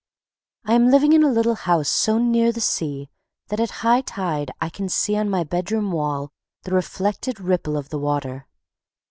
I am living in a little house so near the sea that at high tide I can see on my bedroom wall the reflected ripple of the water.